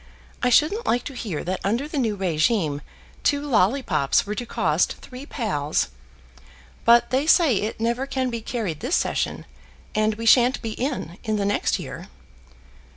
I shouldn't like to hear that under the new régime two lollypops were to cost three Palls. But they say it never can be carried this session, and we sha'n't be in, in the next year."